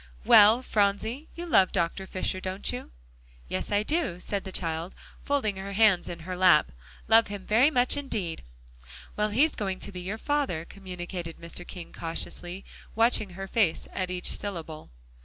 "Well, Phronsie, you love Dr. Fisher, don't you?" "Yes, I do," said the child, folding her hands in her lap, "love him very much indeed." "Well, he's going to be your father," communicated Mr. King, cautiously watching her face at each syllable.